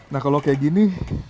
nah kalau kayak gini